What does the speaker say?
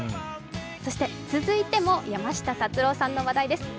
続いても山下達郎さんの話題です。